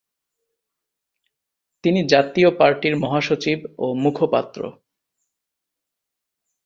তিনি জাতীয় পার্টির মহাসচিব ও মুখপাত্র।